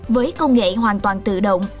với công nghệ hoàn toàn tự động